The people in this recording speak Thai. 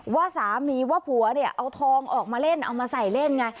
ว่าสามีว่าผัวเนี่ยเอาทองออกมาเล่นเอามาใส่เล่นไง